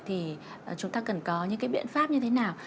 thì chúng ta cần có những cái biện pháp như thế nào